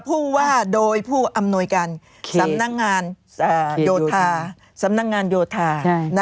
ผู้ว่าโดยผู้อำนวยกันสำนักงานโยธา